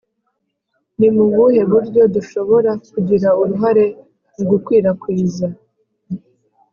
Ni mu buhe buryo dushobora kugira uruhare mu gukwirakwiza